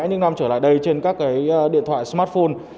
những năm trở lại đây trên các cái điện thoại smartphone